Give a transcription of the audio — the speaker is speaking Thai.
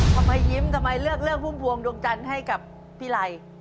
ทำไมยิ้มทำไมเลือกเรื่องพุ่มพวงดวงจันทร์ให้กับพี่ไร